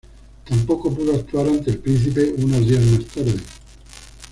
Tampoco pudo actuar ante el Príncipe unos días más tarde.